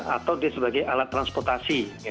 atau dia sebagai alat transportasi